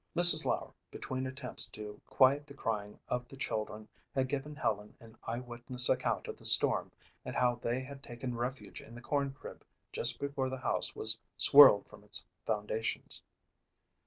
Mrs. Lauer, between attempts to quiet the crying of the children, had given Helen an eye witness account of the storm and how they had taken refuge in the corn crib just before the house was swirled from its foundations.